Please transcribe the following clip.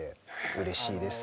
うれしいです。